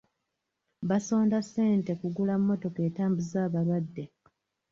Basonda ssente kugula mmotoka etambuza abalwadde.